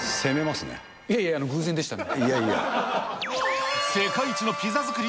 いやいや、偶然でしたね。